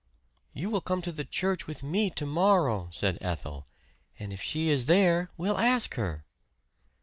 "You will come to church with me to morrow," said Ethel. "And if she is there we'll ask her."